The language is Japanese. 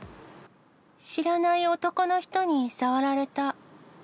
知らない男の人に触られた。